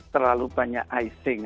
terlalu banyak icing